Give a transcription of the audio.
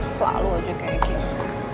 selalu aja kayak gini